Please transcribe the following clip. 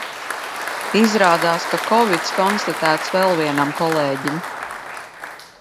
Izrādās, ka kovids konstatēts vēl vienam kolēģim.